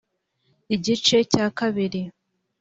igice cya kabiri